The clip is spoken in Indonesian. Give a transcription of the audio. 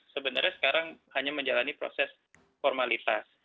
sebenarnya sekarang hanya menjalani proses formalitas